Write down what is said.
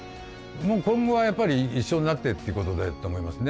今後はやっぱり一緒になってっていうことだと思いますね。